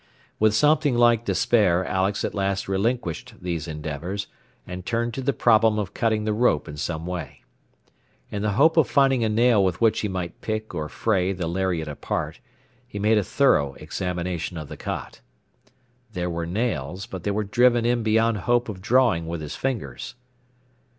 With something like despair Alex at last relinquished these endeavors, and turned to the problem of cutting the rope in some way. In the hope of finding a nail with which he might pick or fray the lariat apart, he made a thorough examination of the cot. There were nails, but they were driven in beyond hope of drawing with his fingers.